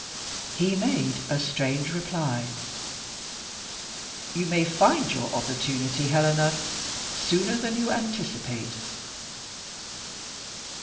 He made a strange reply: "You may find your opportunity, Helena, sooner than you anticipate."